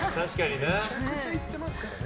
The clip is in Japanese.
めちゃくちゃ行ってますからね。